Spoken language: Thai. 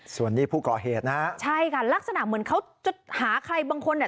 ส่วนนี้ผู้ก่อเหตุนะฮะใช่ค่ะลักษณะเหมือนเขาจะหาใครบางคนเนี่ย